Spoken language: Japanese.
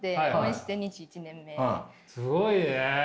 すごいね。